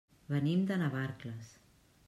Venim de Navarcles.